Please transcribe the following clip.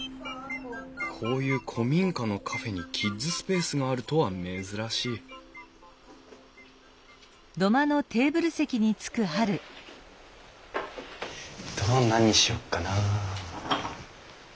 こういう古民家のカフェにキッズスペースがあるとは珍しい頼むの何にしようかな。